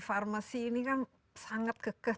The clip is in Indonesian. farmasi ini kan sangat kekeh